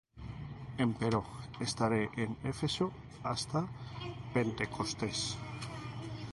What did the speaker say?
Empero estaré en Efeso hasta Pentecostés;